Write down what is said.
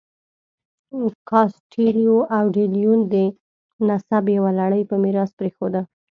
کاسټیلو او ډي لیون د نسب یوه لړۍ په میراث پرېښوده.